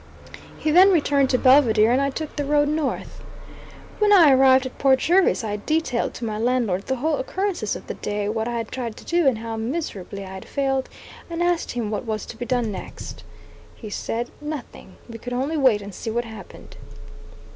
He then returned to Belvidere, and I took the road north. When I arrived at Port Jervis I detailed to my landlord the whole occurrences of the day what I had tried to do, and how miserably I had failed, and asked him what was to be done next. He said "nothing;" we could only wait and see what happened.